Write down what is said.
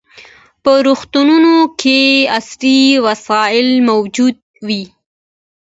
په روغتونونو کې عصري وسایل موجود وي.